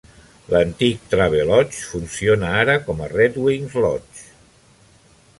L'antic Travelodge funciona ara com a Redwings Lodge.